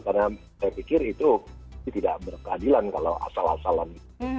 karena saya pikir itu tidak berkeadilan kalau asal asalan